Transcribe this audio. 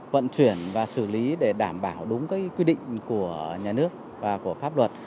vận chuyển và xử lý để đảm bảo đúng quy định của nhà nước và của pháp luật